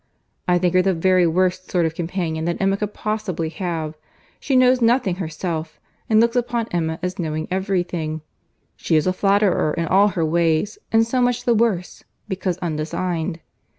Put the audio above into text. I think her the very worst sort of companion that Emma could possibly have. She knows nothing herself, and looks upon Emma as knowing every thing. She is a flatterer in all her ways; and so much the worse, because undesigned.